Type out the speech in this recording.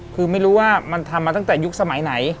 คือไม่รู้ว่ามันทำมาตั้งแต่ยุคสมัยไหน